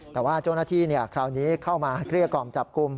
แต่ว่าโจนที่คราวนี้เข้ามาเครียร์กอร์มจับกลุ่ม